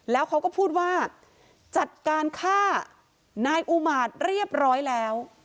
แล้วเขาก็พูดว่าจัดการฆ่านายอุมาตเรียบร้อยแล้ว